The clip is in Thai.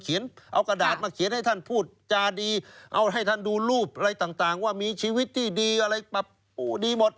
เอากระดาษมาเขียนให้ท่านพูดจาดีเอาให้ท่านดูรูปอะไรต่างว่ามีชีวิตที่ดีอะไรแบบโอ้ดีหมด